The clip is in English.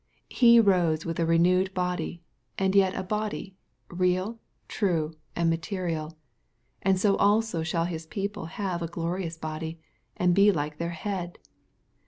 — He rose with a renewed body, and yet a body, real, true, and material, and si6 also shall His people have a glorious body, and be like their Head.